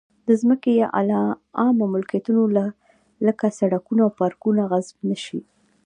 د ځمکې یا عامه ملکیتونو لکه سړکونه او پارکونه غصب نه شي.